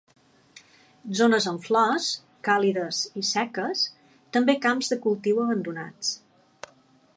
Zones amb flors, càlides i seques; també camps de cultiu abandonats.